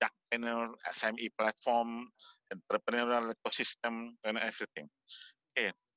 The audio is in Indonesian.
ya mereka mengalami grup pendapatan yang rendah